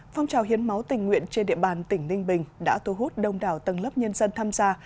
phong trào hiến máu tình nguyện trên địa bàn tỉnh ninh bình đã thu hút đông đảo tầng lớp nhân dân tham gia